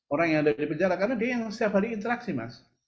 orang yang ada di penjara karena dia yang siap siap berinteraksi mas